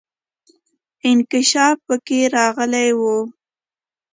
انکشاف پکې راغلی وای.